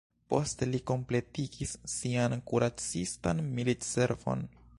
Poste li kompletigis sian kuracistan militservon.